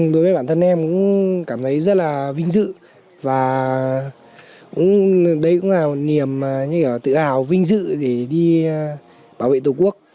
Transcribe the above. đối với bản thân em cũng cảm thấy rất là vinh dự và đấy cũng là một niềm tự hào vinh dự để đi bảo vệ tổ quốc